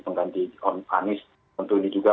pengganti anies tentu ini juga